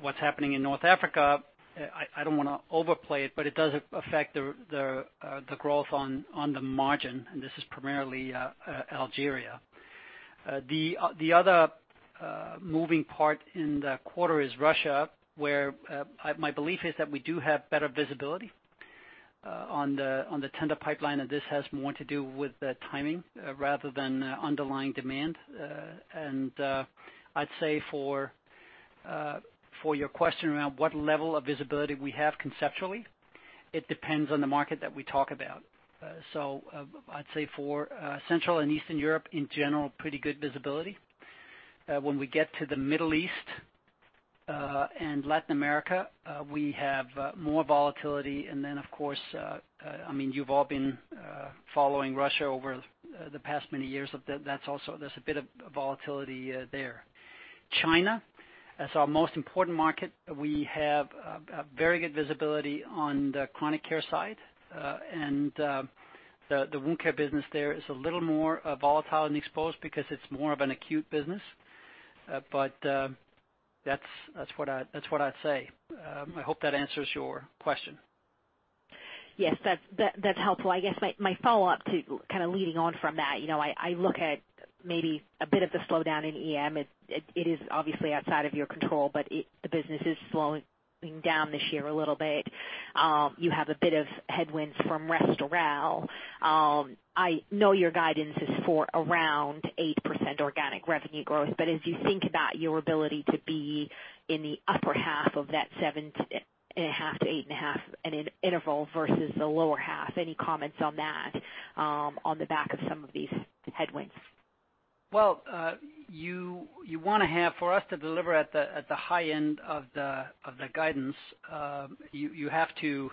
what's happening in North Africa, I don't want to overplay it, but it does affect the growth on the margin, and this is primarily Algeria. The other moving part in the quarter is Russia, where my belief is that we do have better visibility on the tender pipeline, and this has more to do with the timing rather than underlying demand. I'd say for your question around what level of visibility we have conceptually, it depends on the market that we talk about. I'd say for Central and Eastern Europe, in general, pretty good visibility. When we get to the Middle East, and Latin America, we have more volatility. Then, of course, I mean, you've all been following Russia over the past many years. That's also, there's a bit of volatility there. China, that's our most important market. We have a very good visibility on the chronic care side, and the Wound Care business there is a little more volatile and exposed because it's more of an Acute business. That's what I'd say. I hope that answers your question. That's helpful. I guess my follow-up to kind of leading on from that, you know, I look at maybe a bit of the slowdown in EM. It is obviously outside of your control, but the business is slowing down this year a little bit. You have a bit of headwinds from Restorelle. I know your guidance is for around 8% organic revenue growth, but as you think about your ability to be in the upper half of that 7.5%-8.5% in an interval versus the lower half, any comments on that on the back of some of these headwinds? Well, you want to have, for us to deliver at the high end of the guidance, you have to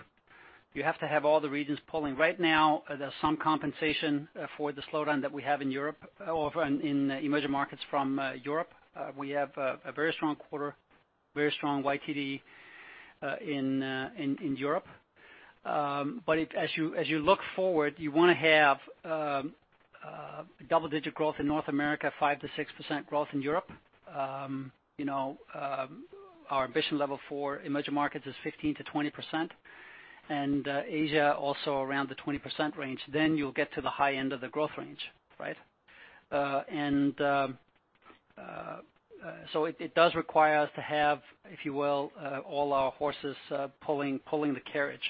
have all the regions pulling. Right now, there's some compensation for the slowdown that we have in Europe or in emerging markets from Europe. We have a very strong quarter, very strong YTD, in Europe. As you look forward, you want to have double-digit growth in North America, 5%-6% growth in Europe. You know, our ambition level for emerging markets is 15%-20%, and Asia also around the 20% range, then you'll get to the high end of the growth range, right? It does require us to have, if you will, all our horses pulling the carriage.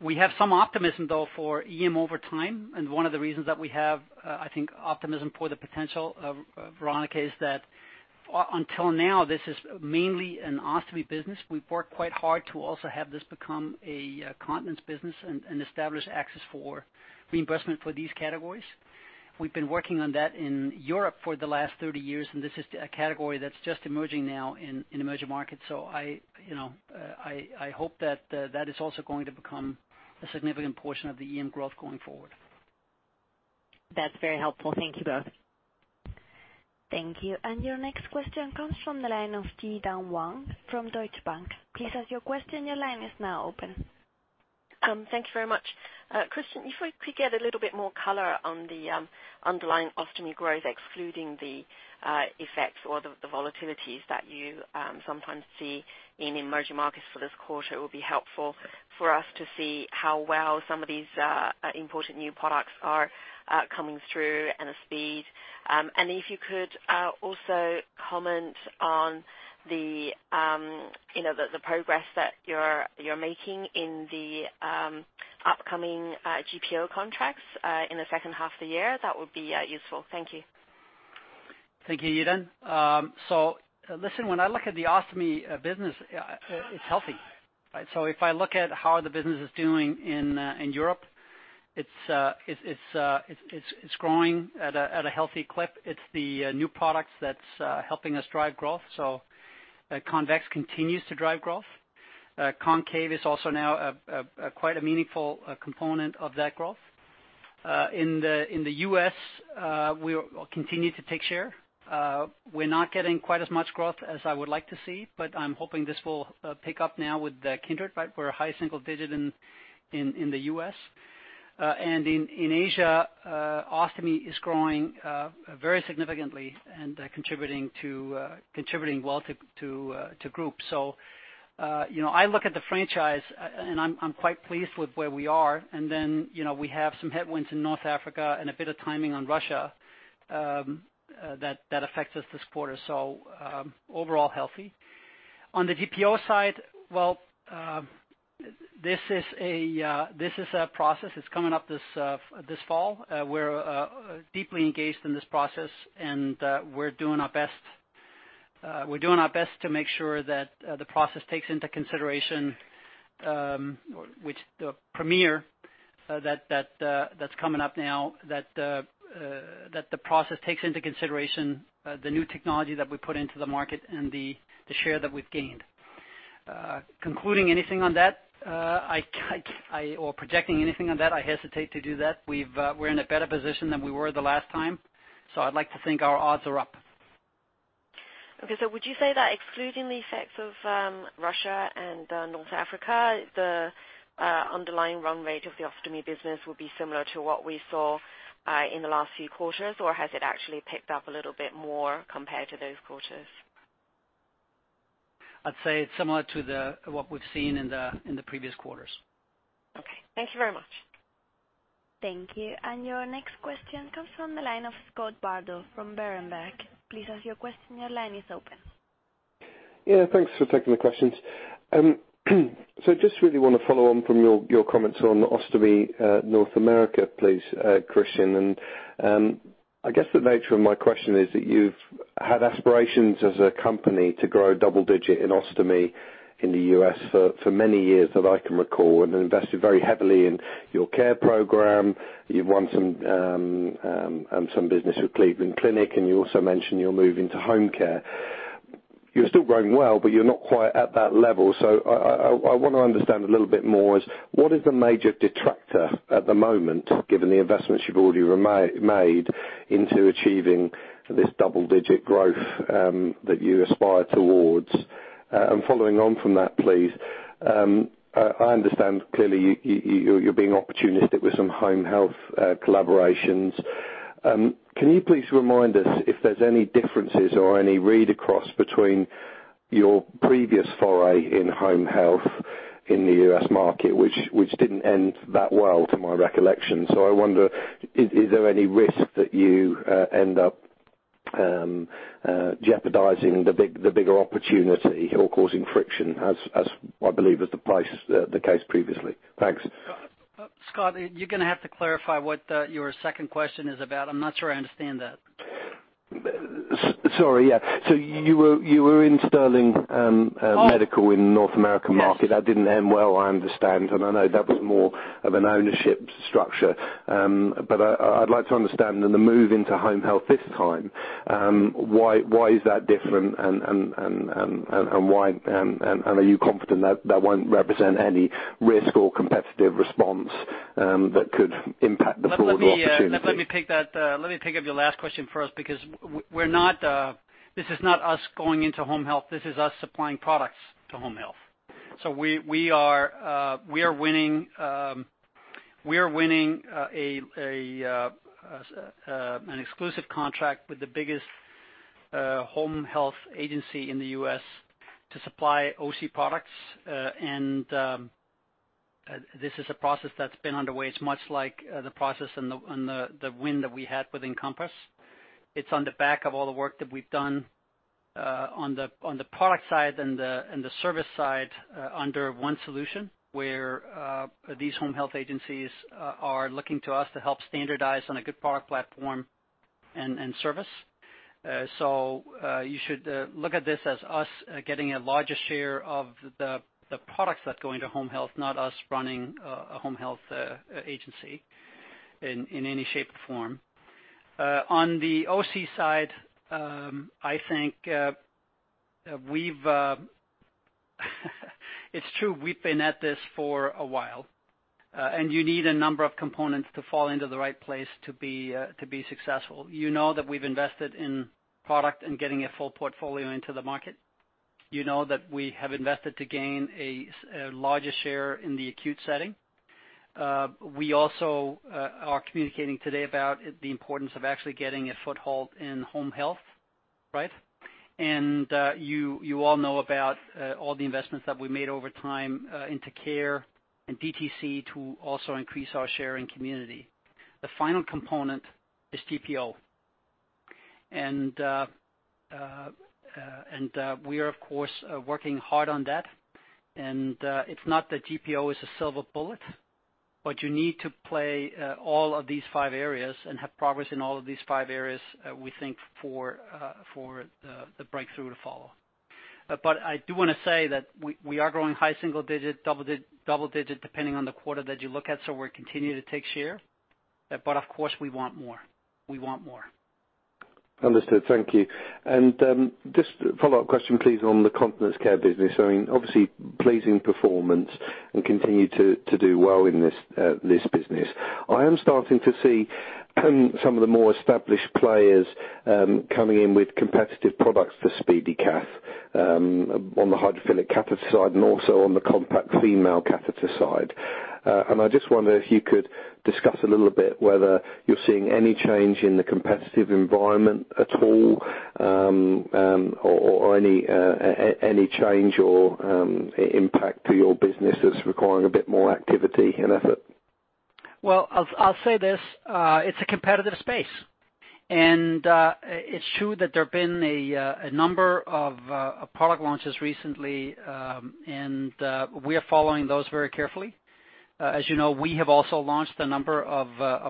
We have some optimism, though, for EM over time, and one of the reasons that we have, I think, optimism for the potential of Veronica, is that until now, this is mainly an ostomy business. We've worked quite hard to also have this become a continence business and establish access for reimbursement for these categories. We've been working on that in Europe for the last 30 years, and this is a category that's just emerging now in emerging markets. I, you know, I hope that that is also going to become a significant portion of the EM growth going forward. That's very helpful. Thank you both. Thank you. Your next question comes from the line of Yi-Dan Wang from Deutsche Bank. Please ask your question. Your line is now open. Thank you very much. Kristian, if we could get a little bit more color on the underlying ostomy growth, excluding the effects or the volatilities that you sometimes see in emerging markets for this quarter, it will be helpful for us to see how well some of these important new products are coming through and the speed. If you could also comment on the, you know, the progress that you're making in the upcoming GPO contracts in the second half of the year, that would be useful. Thank you. Thank you, Yi-Dan. Listen, when I look at the ostomy business, it's healthy, right? If I look at how the business is doing in Europe, it's growing at a healthy clip. It's the new products that's helping us drive growth. Convex continues to drive growth. Concave is also now a quite a meaningful component of that growth. In the U.S., we continue to take share. We're not getting quite as much growth as I would like to see, but I'm hoping this will pick up now with the Kindred, right? We're a high single digit in the U.S. In Asia, ostomy is growing very significantly and contributing well to group. You know, I look at the franchise, and I'm quite pleased with where we are. You know, we have some headwinds in North Africa and a bit of timing on Russia that affects us this quarter. Overall healthy. On the GPO side, well, this is a process that's coming up this fall. We're deeply engaged in this process, and we're doing our best to make sure that the process takes into consideration, which the premier that's coming up now, that the process takes into consideration the new technology that we put into the market and the share that we've gained. Concluding anything on that, I or projecting anything on that, I hesitate to do that. We're in a better position than we were the last time, so I'd like to think our odds are up. Would you say that excluding the effects of Russia and North Africa, the underlying run rate of the ostomy business would be similar to what we saw in the last few quarters, or has it actually picked up a little bit more compared to those quarters? I'd say it's similar to what we've seen in the, in the previous quarters. Okay. Thank you very much. Thank you. Your next question comes from the line of Scott Bardo from Berenberg. Please ask your question. Your line is open. Yeah, thanks for taking the questions. Just really want to follow on from your comments on ostomy, North America, please, Kristian. I guess the nature of my question is that you've had aspirations as a company to grow double-digit in ostomy in the U.S. for many years, that I can recall, and invested very heavily in your care program. You've won some business with Cleveland Clinic, and you also mentioned you're moving to home care. You're still growing well, but you're not quite at that level. I want to understand a little bit more is, what is the major detractor at the moment, given the investments you've already made into achieving this double-digit growth that you aspire towards? Following on from that, please, I understand clearly you're being opportunistic with some home health collaborations. Can you please remind us if there's any differences or any read across between your previous foray in home health in the U.S. market, which didn't end that well, to my recollection. I wonder, is there any risk that you end up jeopardizing the bigger opportunity or causing friction, as I believe is the price, the case previously? Thanks. Scott, you're gonna have to clarify what your second question is about. I'm not sure I understand that. Sorry, yeah. You were in Sterling. Oh. in North American market. Yes. That didn't end well, I understand, and I know that was more of an ownership structure. I'd like to understand in the move into home health this time, why is that different? Why, are you confident that that won't represent any risk or competitive response that could impact the broader opportunity? Let me pick that, let me pick up your last question first, because we're not, this is not us going into home health. This is us supplying products to home health. We are winning an exclusive contract with the biggest home health agency in the U.S. to supply OC products, and this is a process that's been underway. It's much like the process and the win that we had with Encompass. It's on the back of all the work that we've done on the product side and the service side under one solution, where these home health agencies are looking to us to help standardize on a good product platform and service. You should look at this as us getting a larger share of the products that go into home health, not us running a home health agency in any shape or form. On the OC side, I think it's true, we've been at this for a while, and you need a number of components to fall into the right place to be to be successful. You know that we've invested in product and getting a full portfolio into the market. You know that we have invested to gain a larger share in the acute setting. We also are communicating today about the importance of actually getting a foothold in home health, right? You all know about all the investments that we made over time into care and DTC to also increase our share in community. The final component is GPO. We are, of course, working hard on that, and it's not that GPO is a silver bullet, but you need to play all of these five areas and have progress in all of these five areas, we think, for the breakthrough to follow. I do want to say that we are growing high single-digit, double digit, depending on the quarter that you look at, so we're continuing to take share. Of course, we want more. We want more. Understood. Thank you. Just a follow-up question, please, on the Continence Care business. I mean, obviously, pleasing performance and continue to do well in this business. I am starting to see some of the more established players coming in with competitive products for SpeediCath on the hydrophilic catheter side and also on the compact female catheter side. I just wonder if you could discuss a little bit whether you're seeing any change in the competitive environment at all, or any change or impact to your business that's requiring a bit more activity and effort? Well, I'll say this, it's a competitive space. It's true that there have been a number of product launches recently, we are following those very carefully. As you know, we have also launched a number of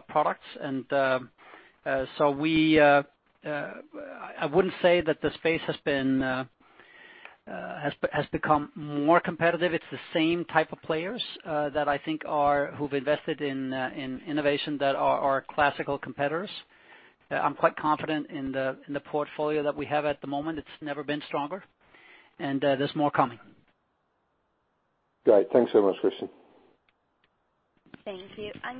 products, so we I wouldn't say that the space has been has become more competitive. It's the same type of players that I think are, who've invested in innovation that are our classical competitors. I'm quite confident in the portfolio that we have at the moment. It's never been stronger, there's more coming. Great. Thanks so much, Kristian. Thank you.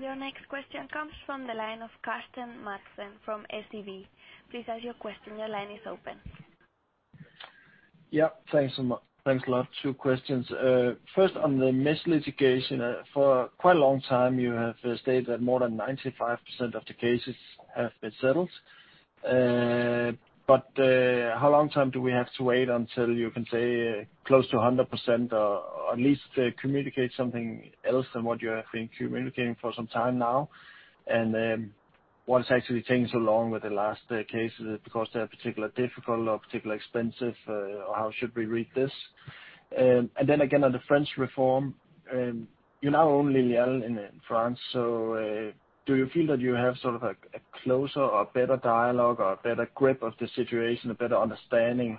Your next question comes from the line of Carsten Madsen from SEB. Please ask your question. Your line is open. Yeah, thanks so much. Thanks a lot. 2 questions. First, on the mesh litigation, for quite a long time, you have stated that more than 95% of the cases have been settled. How long time do we have to wait until you can say close to 100%, or at least communicate something else than what you have been communicating for some time now? What has actually changed along with the last cases, because they are particularly difficult or particularly expensive, or how should we read this? Then again, on the French reform, you now own Lilial in France. Do you feel that you have sort of a closer or better dialogue or a better grip of the situation, a better understanding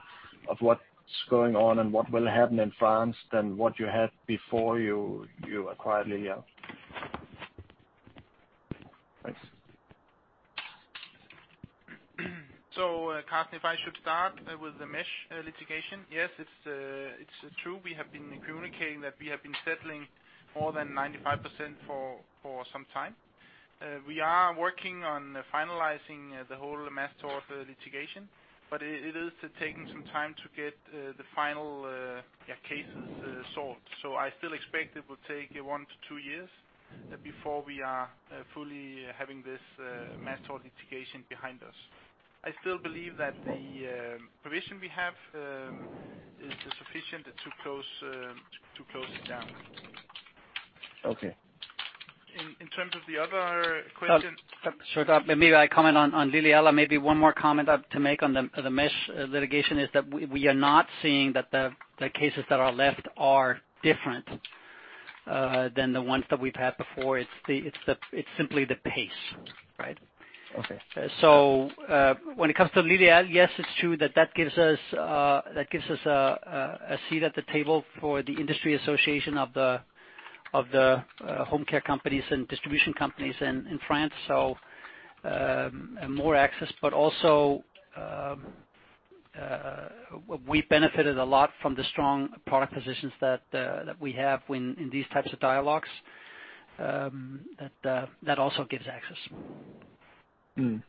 of what's going on and what will happen in France than what you had before you acquired Lilial? Thanks. Carsten, if I should start with the mesh litigation. Yes, it's true. We have been communicating that we have been settling more than 95% for some time. We are working on finalizing the whole mesh litigation, but it is taking some time to get the final, yeah, cases solved. I still expect it will take 1-2 years before we are fully having this mesh litigation behind us. I still believe that the provision we have is sufficient to close to close it down. Okay. In terms of the other question. Sorry, maybe I comment on Lilial. Maybe one more comment to make on the mesh litigation is that we are not seeing that the cases that are left are different than the ones that we've had before. It's simply the pace, right? Okay. When it comes to Lilial, yes, it's true that that gives us a seat at the table for the industry association of the home care companies and distribution companies in France. More access, but also, we benefited a lot from the strong product positions that we have when, in these types of dialogues. That also gives access.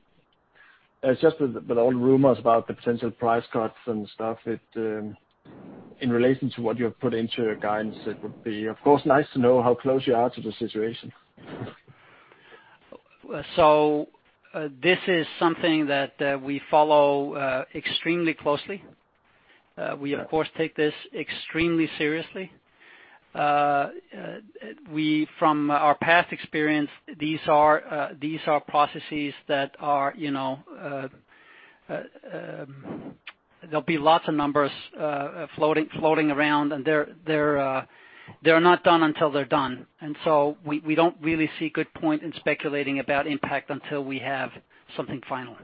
It's just with all the rumors about the potential price cuts and stuff, it in relation to what you have put into your guidance, it would be, of course, nice to know how close you are to the situation. This is something that we follow extremely closely. We, of course, take this extremely seriously. We, from our past experience, these are processes that are, you know, there'll be lots of numbers floating around, and they're not done until they're done. We don't really see good point in speculating about impact until we have something final.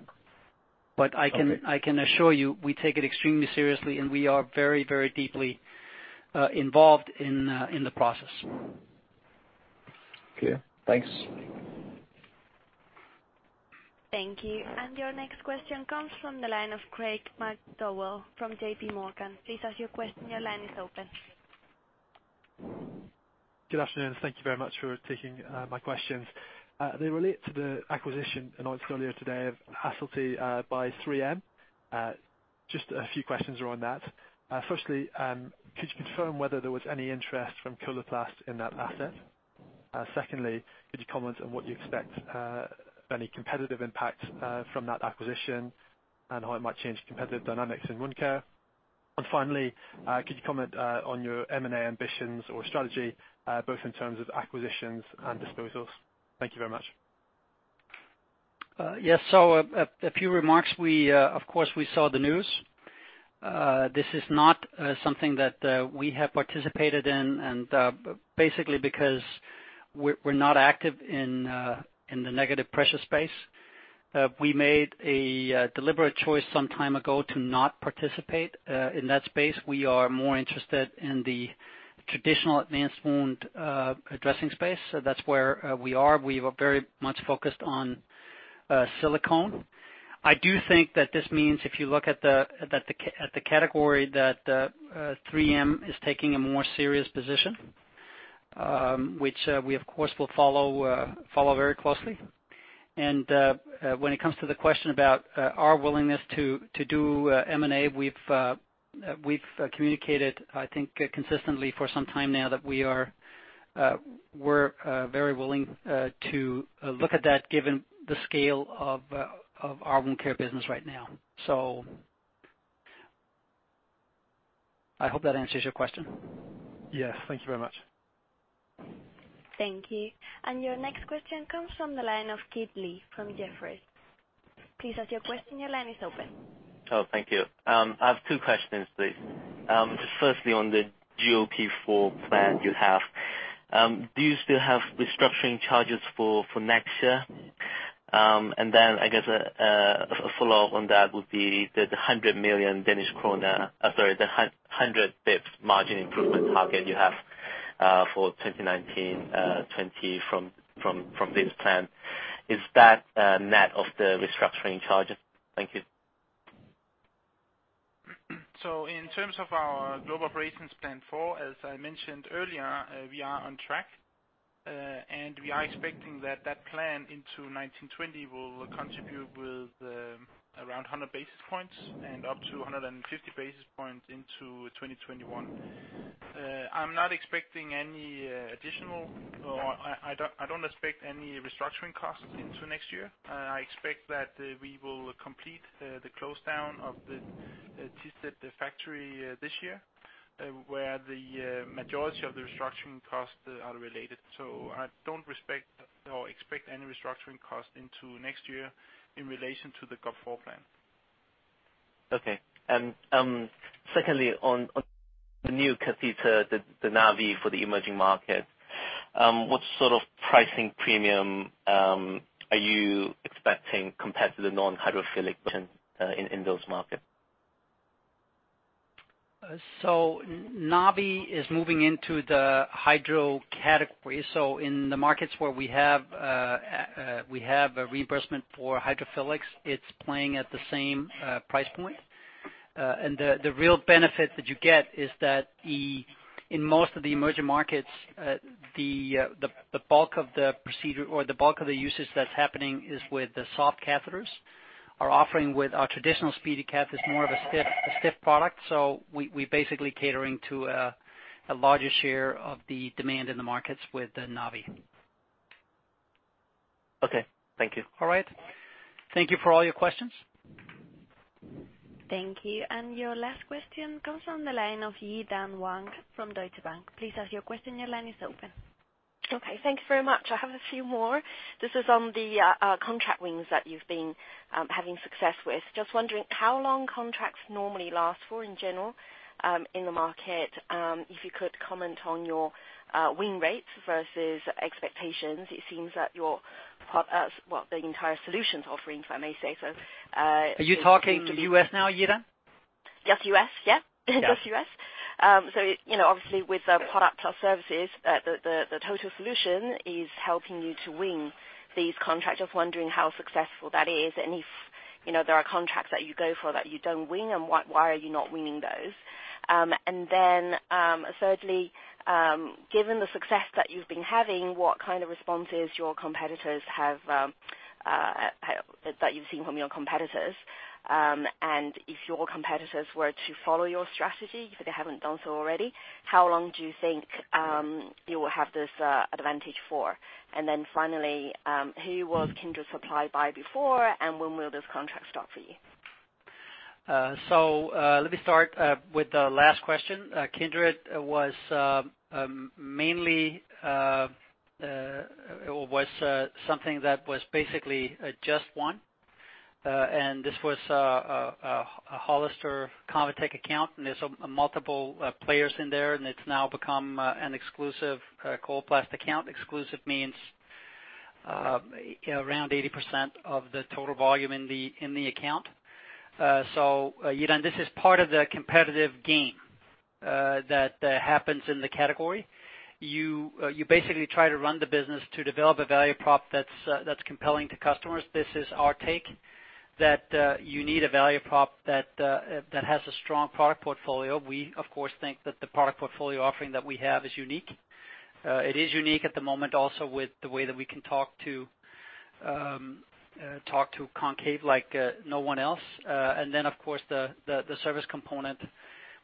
Okay. I can assure you, we take it extremely seriously, and we are very, very deeply involved in the process. Okay, thanks. Thank you. Your next question comes from the line of Craig McDonald from JP Morgan. Please ask your question. Your line is open. Good afternoon. Thank you very much for taking my questions. They relate to the acquisition announced earlier today of Acelity by 3M. Just a few questions around that. Firstly, could you confirm whether there was any interest from Coloplast in that asset? Secondly, could you comment on what you expect any competitive impact from that acquisition, and how it might change the competitive dynamics in wound care? Finally, could you comment on your M&A ambitions or strategy, both in terms of acquisitions and disposals? Thank you very much. Yes. A few remarks. We, of course, we saw the news. This is not something that we have participated in, and basically because we're not active in the negative pressure space. We made a deliberate choice some time ago to not participate in that space. We are more interested in the traditional advanced wound dressing space. That's where we are. We are very much focused on silicone. I do think that this means if you look at the category, that 3M is taking a more serious position, which we of course, will follow very closely. When it comes to the question about our willingness to do M&A, we've communicated, I think, consistently for some time now, that we are we're very willing to look at that given the scale of our wound care business right now. I hope that answers your question. Yes. Thank you very much. Thank you. Your next question comes from the line of Kit Lee from Jefferies. Please ask your question. Your line is open. Thank you. I have 2 questions, please. Just firstly, on the GOP 4 plan you have, do you still have restructuring charges for next year? Then I guess, a follow-up on that would be the 100 million Danish krone, sorry, the 100 basis points margin improvement target you have for 2019, 2020, from this plan. Is that net of the restructuring charges? Thank you. In terms of our Global Operations Plan 4, as I mentioned earlier, we are on track, and we are expecting that that plan into 2019-2020 will contribute with around 100 basis points and up to 150 basis points into 2021. I'm not expecting any additional, I don't expect any restructuring costs into next year. I expect that we will complete the close down of the Thisted factory this year, where the majority of the restructuring costs are related. I don't respect or expect any restructuring costs into next year in relation to the GOP 4 plan. Okay. Secondly, on the new catheter, the Navi for the emerging market, what sort of pricing premium are you expecting compared to the non-hydrophilic version in those markets? Navi is moving into the hydro category. In the markets where we have a reimbursement for hydrophilics, it's playing at the same price point. The real benefit that you get is that in most of the emerging markets, the bulk of the procedure or the bulk of the usage that's happening is with the soft catheters. Our offering with our traditional SpeediCath is more of a stiff product, so we basically catering to a larger share of the demand in the markets with the Navi. Okay, thank you. All right. Thank you for all your questions. Thank you. Your last question comes from the line of Yi-Dan Wang from Deutsche Bank. Please ask your question. Your line is open. Okay. Thank you very much. I have a few more. This is on the contract wins that you've been having success with. Just wondering how long contracts normally last for, in general, in the market? If you could comment on your win rates versus expectations, it seems that your part, well, the entire solutions offering, if I may say so. Are you talking to U.S. now, Yi-Dan? Just U.S., yeah. Yeah. Just U.S. You know, obviously with the products or services, the total solution is helping you to win these contracts. Just wondering how successful that is, and if, you know, there are contracts that you go for, that you don't win, and why are you not winning those? Thirdly, given the success that you've been having, what kind of responses your competitors have that you've seen from your competitors? If your competitors were to follow your strategy, if they haven't done so already, how long do you think you will have this advantage for? Finally, who was Kindred supplied by before, and when will this contract start for you? Let me start with the last question. Kindred was mainly something that was basically just one. This was a Hollister Convatec account, and there's multiple players in there, and it's now become an exclusive Coloplast account. Exclusive means around 80% of the total volume in the account. Yi-Dan, this is part of the competitive game that happens in the category. You basically try to run the business to develop a value prop that's compelling to customers. This is our take, that you need a value prop that has a strong product portfolio. We, of course, think that the product portfolio offering that we have is unique. It is unique at the moment, also with the way that we can talk to SenSura Mio Concave like no one else. Of course, the service component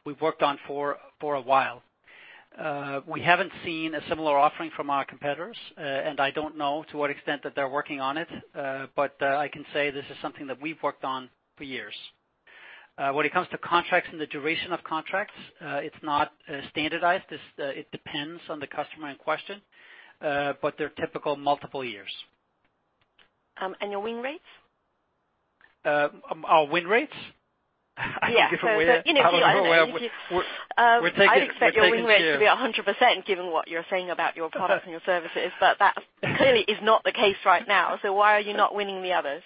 we've worked on for a while. We haven't seen a similar offering from our competitors, and I don't know to what extent that they're working on it, but I can say this is something that we've worked on for years. When it comes to contracts and the duration of contracts, it's not standardized. It depends on the customer in question, but they're typical multiple years. Your win rates? Our win rates? Yeah. I can give a win- You know, Well, we're. I'd expect your win rates to be 100%, given what you're saying about your products and your services, but that clearly is not the case right now. Why are you not winning the others?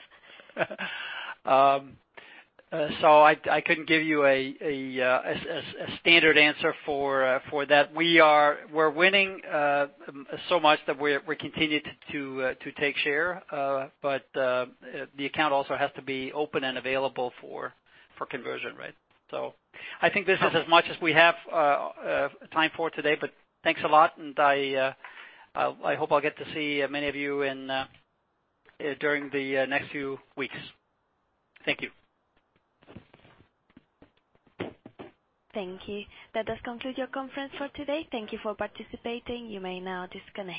I couldn't give you a standard answer for that. We're winning so much that we're continuing to take share, but the account also has to be open and available for conversion, right? I think this is as much as we have time for today, but thanks a lot, and I hope I'll get to see many of you in during the next few weeks. Thank you. Thank you. That does conclude your conference for today. Thank you for participating. You may now disconnect.